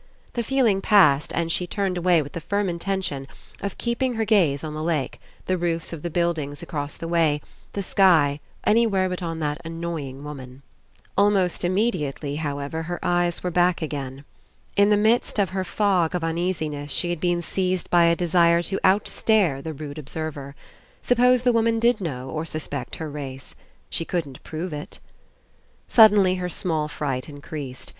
The feeling passed, and she turned away with the firm intention of keeping her 19 PASSING gaze on the lake, the roofs of the buildings across the way, the sky, anywhere but on that annoying woman. Almost immediately, how ever, her eyes were back again. In the midst of her fog of uneasiness she had been seized by a desire to outstare the rude observer. Suppose the woman did know or suspect her race. She couldn't prove it. Suddenly her small fright Increased.